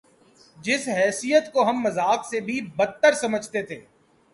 جس حیثیت کو ہم مذاق سے بھی بد تر سمجھتے تھے۔